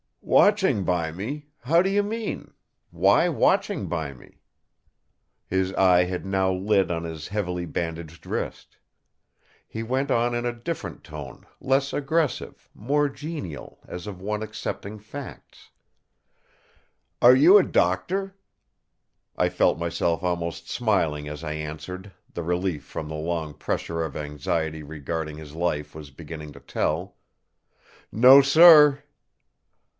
"Watching by me! How do you mean? Why watching by me?" His eye had now lit on his heavily bandaged wrist. He went on in a different tone; less aggressive, more genial, as of one accepting facts: "Are you a doctor?" I felt myself almost smiling as I answered; the relief from the long pressure of anxiety regarding his life was beginning to tell: "No, sir!"